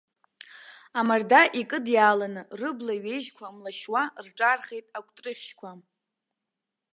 Амарда икыдиааланы, рыбла ҩежьқәа млашьуа рҿаархеит акәтрыхьшьқәа.